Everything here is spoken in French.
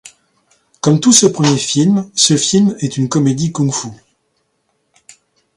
Comme tous ses premiers films, ce film est une comédie kung fu.